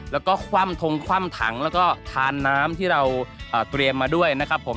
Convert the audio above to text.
แล้วก็คว่ำทงคว่ำถังแล้วก็ทานน้ำที่เราเตรียมมาด้วยนะครับผม